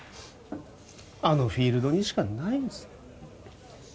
あのフィールドにしかないんです